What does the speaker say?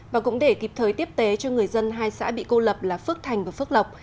và cũng để kịp thời tiếp tế cho người dân hai xã bị cô lập là phước thành và phước lộc